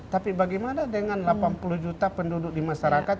tapi bagaimana dengan delapan puluh juta penduduk di masyarakat